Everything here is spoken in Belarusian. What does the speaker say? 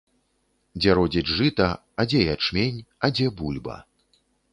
Дзе родзіць жыта, а дзе ячмень, а дзе бульба.